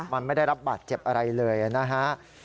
มันไม่ได้รับบาดเจ็บอะไรเลยนะฮะ